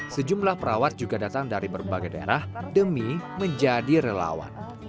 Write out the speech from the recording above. sejumlah perawat juga datang dari berbagai daerah demi menjadi relawan